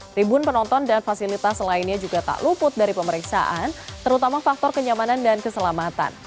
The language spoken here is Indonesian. tribun penonton dan fasilitas lainnya juga tak luput dari pemeriksaan terutama faktor kenyamanan dan keselamatan